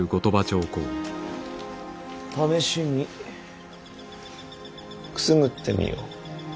試しにくすぐってみよ。